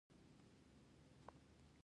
دلته د هیواد په اساسي قانون بیا کتنه کیږي.